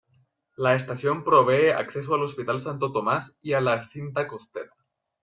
La estación provee acceso al Hospital Santo Tomás y a la Cinta Costera.